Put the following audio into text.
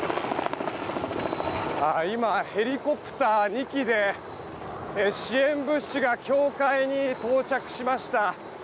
今、ヘリコプター２機で支援物資が教会に到着しました。